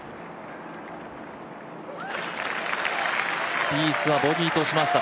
スピースはボギーとしました。